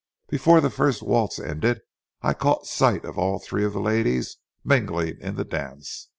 Before the first waltz ended I caught sight of all three of the ladies mingling in the dance.